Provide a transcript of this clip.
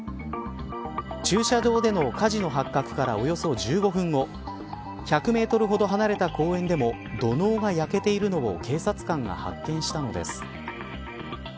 駐車場での火事の発覚からおよそ１５分後１００メートルほど離れた公園でも土のうが焼けているのを警察官が発見したのです。